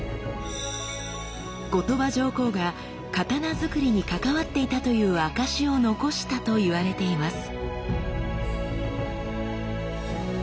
後鳥羽上皇が刀づくりに関わっていたという証しを残したと言われています。